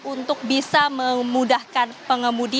untuk bisa memudahkan pengemudi